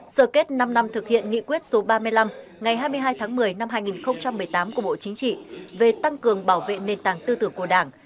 sở kết năm năm thực hiện nghị quyết số ba mươi năm ngày hai mươi hai tháng một mươi năm hai nghìn một mươi tám của bộ chính trị về tăng cường bảo vệ nền tảng tư tưởng của đảng